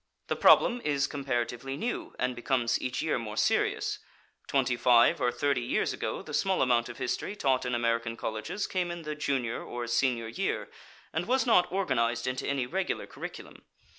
The problem is comparatively new, and becomes each year more serious. Twenty five or thirty years ago the small amount of history taught in American colleges came in the junior or senior year, and was not organized into any regular curriculum.